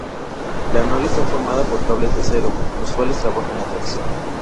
La noria está formada por cables de acero, los cuales trabajan a tracción.